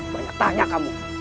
banyak tanya kamu